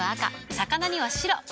魚には白。